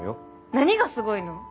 何がすごいの？